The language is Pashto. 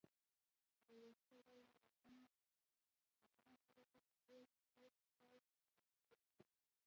د ویښته ډوله رګونو دویمه شبکه د دې ټیوب شاوخوا را تاو شوي.